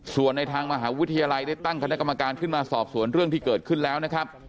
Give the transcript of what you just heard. ส่วนในทางมหาวิทยาลัยได้ตั้งคณะกรรมการขึ้นมาสอบสวนเรื่องที่เกิดขึ้นแล้วนะครับ